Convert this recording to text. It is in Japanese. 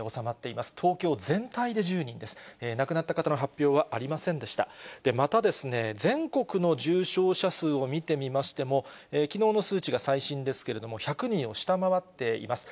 またですね、全国の重症者数を見てみましても、きのうの数値が最新ですけれども、１００人を下回っています。